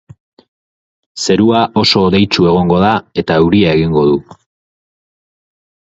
Zerua oso hodeitsu egongo da eta euria egingo du.